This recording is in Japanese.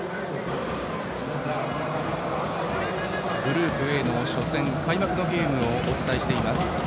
グループＡの初戦開幕のゲームをお伝えしています。